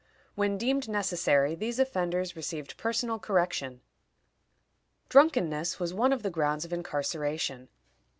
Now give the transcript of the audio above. When deemed necessary, these offenders received personal correction. Drunkenness was one of the grounds of incarceration.